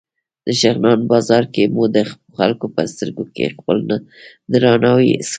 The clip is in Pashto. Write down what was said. د شغنان بازار کې مو د خلکو په سترګو کې خپل درناوی حس کړ.